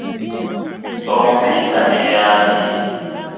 Omumiisani yani?